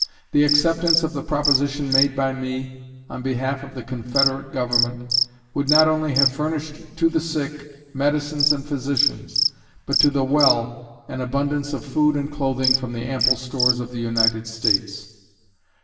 The acceptance of the proposition made by me, on behalf of the Confederate Government, would not only have furnished to the sick, medicines and physicians, but to the well an abundance of food and clothing from the ample stores of the United States.